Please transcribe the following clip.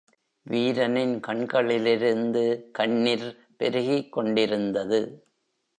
வீரனின் கண்களிலிருந்து கண்ணிர் பெருகிக்கொண்டிருந்தது.